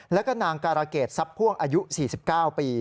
แล้วก็นางการะเกดทรัพย์พ่วงอายุ๔๙ปี